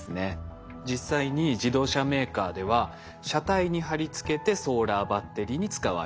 実際に自動車メーカーでは車体に貼り付けてソーラーバッテリーに使うアイデア。